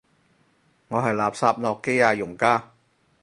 我係垃圾諾基亞用家